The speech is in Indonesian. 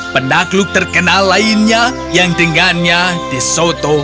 penakluk terkenal lainnya yang dengannya di soto